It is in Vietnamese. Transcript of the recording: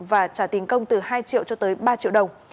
và trả tiền công từ hai triệu cho tới ba triệu đồng